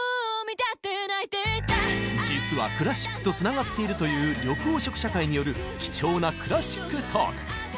実はクラシックとつながっているという緑黄色社会による貴重なクラシックトーク！